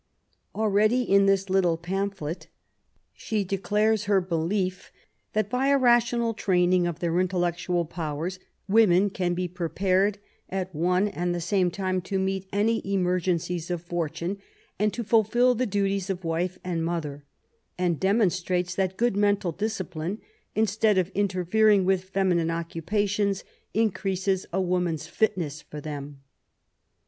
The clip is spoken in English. Already in this little pamphlet she declares her belief that, by a 84 MABY WOLLSTOHTEGBAFT GODWIN. rational training of their intellectual powers^ women can be prepared at one and the same time to meet any emergencies of fortune and to fulfil the duties of wife and mother, and demonstrates that good mental discipline^ instead of interfering with feminine occu pations, increases a woman's fitness for them.